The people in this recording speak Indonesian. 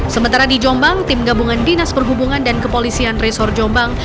sementara di jombang tim gabungan dinas perhubungan dan kepolisian resor jombang